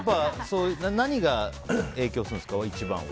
何が影響するんですか、一番は。